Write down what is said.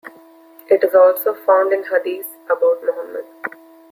It is also found in hadith about Muhammad.